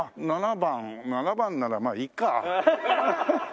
『７番』『７番』ならまあいいか。